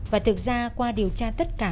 và thực ra qua điều tra tất cả